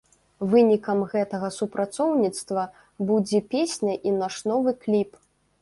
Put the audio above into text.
Вынікам гэтага супрацоўніцтва будзе песня і наш новы кліп.